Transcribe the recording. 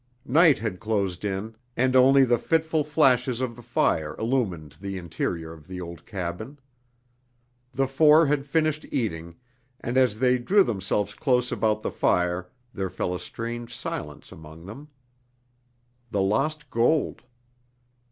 Night had closed in, and only the fitful flashes of the fire illumined the interior of the old cabin. The four had finished eating, and as they drew themselves close about the fire there fell a strange silence among them. The lost gold.